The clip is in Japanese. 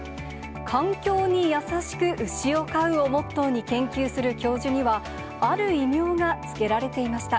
環境に優しく牛を飼うをモットーに研究する教授には、ある異名が付けられていました。